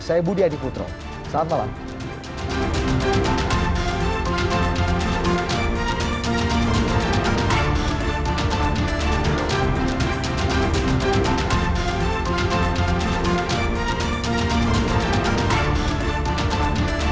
saya budi adi putro selamat malam